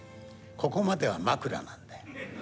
ここまではまくらなんだよ。